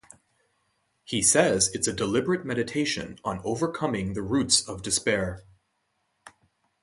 He says it's a deliberate meditation on overcoming the roots of despair.